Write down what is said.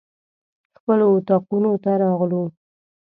خپلو اطاقونو ته راغلو.